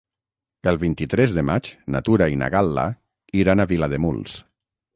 El vint-i-tres de maig na Tura i na Gal·la iran a Vilademuls.